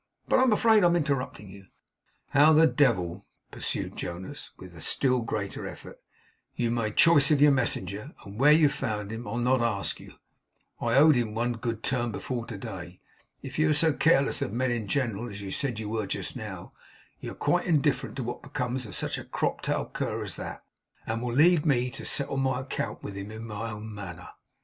But I am afraid I am interrupting you.' 'How the devil,' pursued Jonas, with a still greater effort, 'you made choice of your messenger, and where you found him, I'll not ask you. I owed him one good turn before to day. If you are so careless of men in general, as you said you were just now, you are quite indifferent to what becomes of such a crop tailed cur as that, and will leave me to settle my account with him in my own manner.